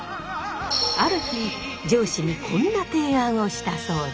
ある日上司にこんな提案をしたそうです。